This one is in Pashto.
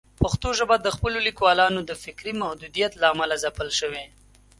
پښتو ژبه د خپلو لیکوالانو د فکري محدودیت له امله ځپل شوې.